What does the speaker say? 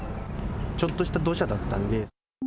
ちょっとした土砂だったんで。